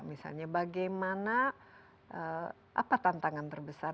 misalnya bagaimana apa tantangan terbesar